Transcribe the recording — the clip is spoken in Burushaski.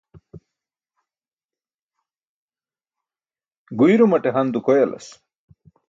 Guirumaṭe han dukoyalas.